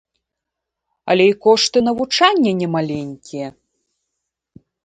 Але і кошты навучання немаленькія.